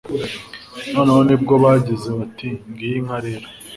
noneho ni bwo bagize bati 'ngiyi inka rero